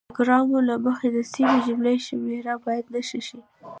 د ګرامر له مخې د سمې جملې شمیره باید نښه شي.